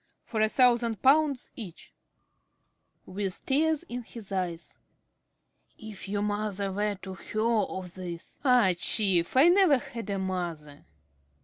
For a thousand pounds each. ~Smith~ (with tears in his eyes). If your mother were to hear of this ~Jones~ (sadly). Ah, chief, I never had a mother.